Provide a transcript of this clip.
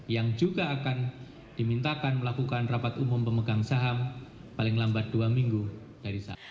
yang juga akan dimintakan melakukan rapat umum pemegang saham paling lambat dua minggu dari sana